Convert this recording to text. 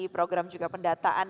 program juga pendataan